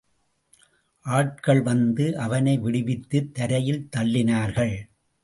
ஆட்கள் வந்து அவனை விடுவித்துத் தரையில் தள்ளினார்கள்.